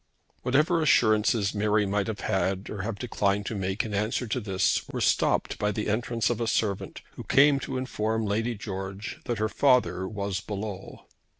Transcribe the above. Whatever assurances Mary might have made or have declined to make in answer to this were stopped by the entrance of a servant, who came to inform Lady George that her father was below.